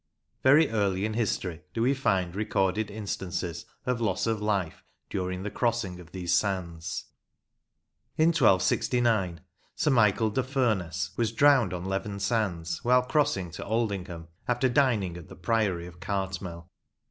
Very early in history do we find recorded instances of loss of life during the crossing of these sands. In 1269 Sir Michael de Furness was drowned on Leven sands while crossing to Aldingham after dining at the priory of Cartmel.